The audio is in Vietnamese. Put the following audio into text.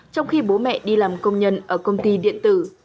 trong khi bố mẹ đi làm công nhân ở công ty điện tử